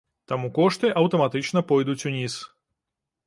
Таму кошты аўтаматычна пойдуць уніз.